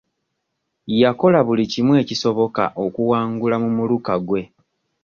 Yakola buli kimu ekisoboka okuwangula mu muluka ggwe.